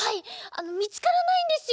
あのみつからないんですよ